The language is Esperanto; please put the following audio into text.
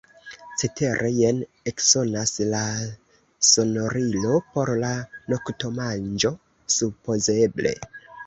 Cetere, jen eksonas la sonorilo; por la noktomanĝo, supozeble.